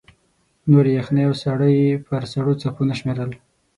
نورې یخنۍ او ساړه یې پر سړو څپو نه شمېرل.